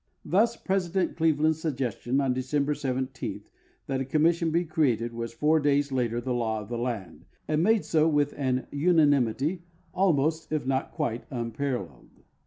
Thus Presi dent Cleveland's suggestion on December 17, that a commission be created, was four days later the law of the land, and made so with an unanimity almost, if not quite, unparalleled.